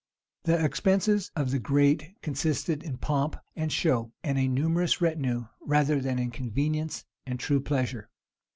The expenses of the great consisted in pomp, and show, and a numerous retinue, rather than in convenience and true pleasure.